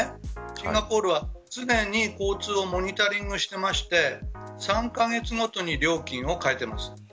シンガポールは常に交通をモニタリングしてまして３カ月ごとに料金を変えています。